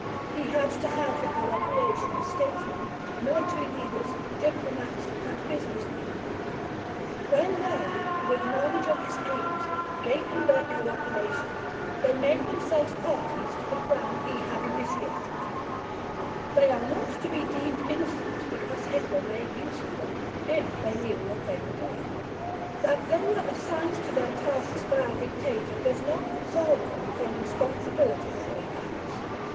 He had to have the co operation of statesmen, military leaders, diplomats, and business men. When they, with knowledge of his aims, gave him their co operation, they made themselves parties to the plan he had initiated. They are not to be deemed innocent because Hitler made use of them, if they knew what they were doing. That they were assigned to their tasks by a dictator does not absolve them from responsibility for their acts.